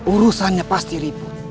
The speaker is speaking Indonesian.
urusannya pasti ribut